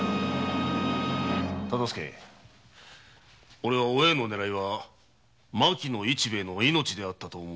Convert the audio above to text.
おれはお栄の狙いは牧野市兵衛の命であったと思うがどうだ？